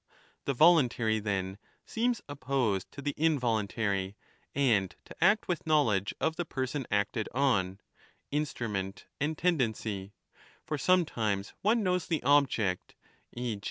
The voluntary, then, seems opposed to the involuntarj', and to act with knowledge of the person acted on, instrument and tendency — for sometimes one knows the object, e.